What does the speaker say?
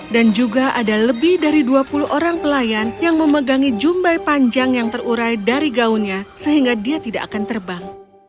dan juga ada lebih dari dua puluh orang pelayan yang memegangi jumbai panjang yang terurai dari gaunnya sehingga dia tidak akan terbang